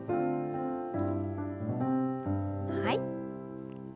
はい。